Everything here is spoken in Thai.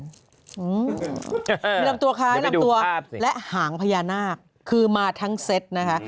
มีลำตัวคล้ายลำตัวและหางพญานาคคือมาทั้งเซตนะคะ